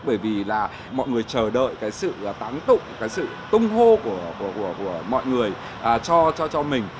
bởi vì là mọi người chờ đợi cái sự táng tụng cái sự tung hô của mọi người cho cho mình